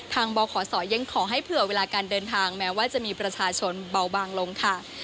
บขศยังขอให้เผื่อเวลาการเดินทางแม้ว่าจะมีประชาชนเบาบางลงค่ะ